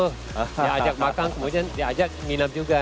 dia ajak makan kemudian dia ajak minum juga